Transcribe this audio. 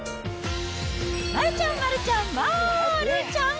丸ちゃん、丸ちゃん、丸ちゃん。